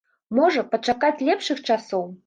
Можа, пачакаць лепшых часоў?